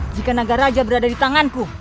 jika naga raja berada di tanganku